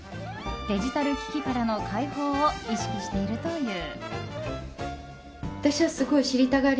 デジタル機器からの解放を意識しているという。